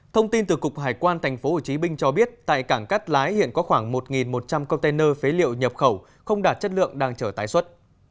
thông tin từ cục hải quan tp hcm cho biết tại cảng cát lái hiện có khoảng một một trăm linh container phế liệu nhập khẩu không đạt chất lượng đang chở tái xuất